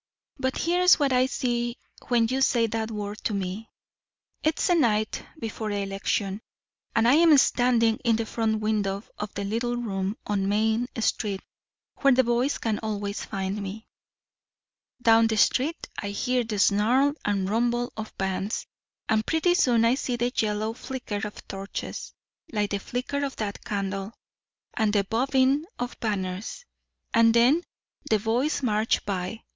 But here's what I see when you say that word to me. It's the night before election, and I'm standing in the front window of the little room on Main Street where the boys can always find me. Down the street I hear the snarl and rumble of bands, and pretty soon I see the yellow flicker of torches, like the flicker of that candle, and the bobbing of banners. And then the boys march by.